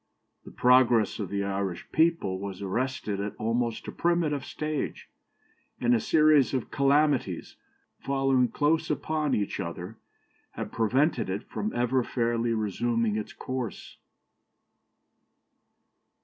The progress of the Irish people was arrested at almost a primitive stage, and a series of calamities, following close upon each other, have prevented it from ever fairly resuming its course.